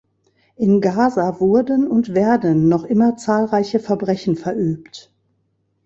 In Gaza wurden und werden noch immer zahlreiche Verbrechen verübt.